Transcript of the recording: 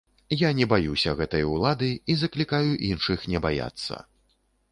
Я не баюся гэтай улады і заклікаю іншых не баяцца.